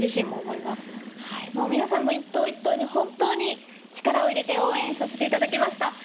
もう皆さんの一投一投に本当に力を入れて応援させていただきました。